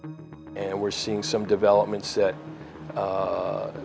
dan kita melihat beberapa perkembangan yang